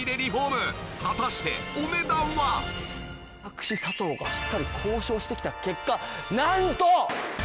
私佐藤がしっかり交渉してきた結果なんと！